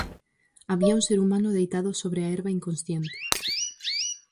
Había un ser humano deitado sobre a herba, inconsciente.